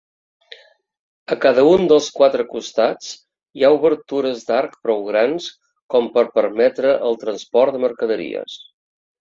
A cada un dels quatre costats hi ha obertures d'arc prou grans com per permetre el transport de mercaderies.